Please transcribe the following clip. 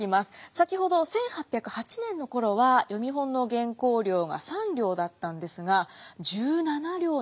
先ほど１８０８年の頃は読本の原稿料が３両だったんですが１７両になっています。